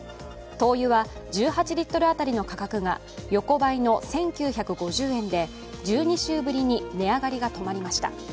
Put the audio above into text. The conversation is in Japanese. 灯油は１８リットル当たりの価格が横ばいの１９５０円で１２週ぶりに値上がりが止まりました。